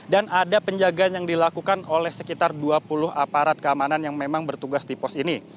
dan ada penjagaan yang dilakukan oleh sekitar dua puluh aparat keamanan yang memang bertugas di pos ini